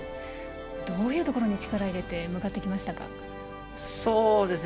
どういうところに力を入れて向かっていきましたか。